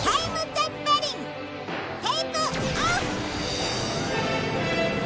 テイクオフ！